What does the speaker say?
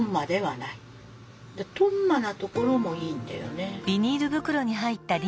とんまなところもいいんだよね。